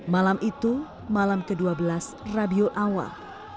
malam itu malam ke dua belas radio awal